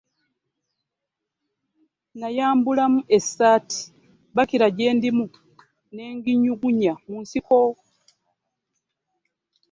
Nayambulamu essaati bakira gye ndimu ne nginyugunya mu nsiko.